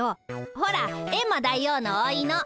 ほらエンマ大王のおいの。